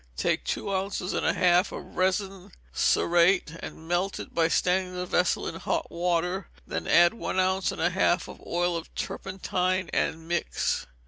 Take two ounces and a half of resin cerate, and melt it by standing the vessel in hot water, then add one ounce and a half of oil of turpentine, and mix.